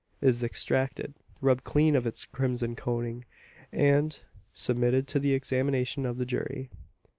It is extracted; rubbed clean of its crimson coating; and submitted to the examination of the jury.